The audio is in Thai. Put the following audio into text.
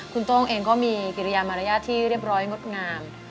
คุณโต้งเองก็มีกิริยามารยาทที่เรียบร้อยงดงาม